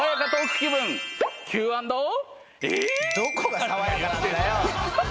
どこが爽やかなんだよ！